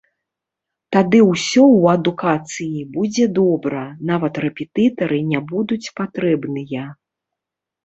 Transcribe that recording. Тады усё ў адукацыі будзе добра, нават рэпетытары не будуць патрэбныя.